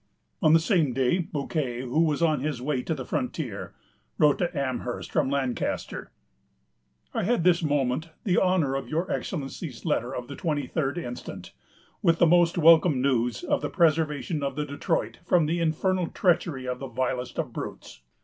On the same day, Bouquet, who was on his way to the frontier, wrote to Amherst, from Lancaster: "I had this moment the honor of your Excellency's letter of the twenty third instant, with the most welcome news of the preservation of the Detroit from the infernal treachery of the vilest of brutes.